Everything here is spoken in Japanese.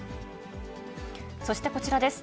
そしてこちらです。